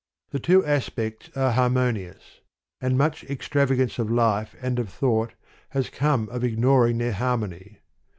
The two aspects are har monious: and much extravagance of life and of thought has come of ignoring their harmony.